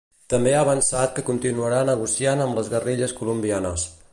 També ha avançat que continuarà negociant amb les guerrilles colombianes.